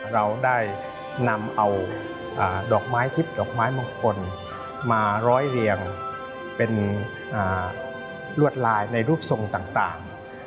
เราได้นำเอาดอกไม้ทิพย์ดอกไม้มงคลมาร้อยเรียงเป็นลวดลายในรูปทรงต่าง